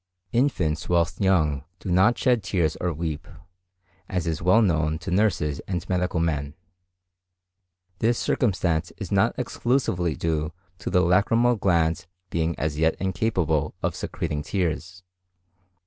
Infants whilst young do not shed tears or weep, as is well known to nurses and medical men. This circumstance is not exclusively due to the lacrymal glands being as yet incapable of secreting tears.